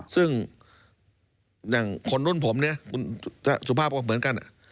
ซึ่งอย่างคนรุ่นผมเนี่ยคุณสุภาพก็เหมือนกัน